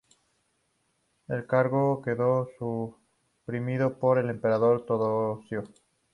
El cargo quedó suprimido por el emperador Teodosio.